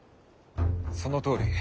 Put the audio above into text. そのとおり。